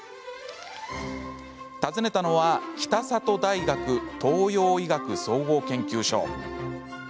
訪ねたのは北里大学東洋医学総合研究所。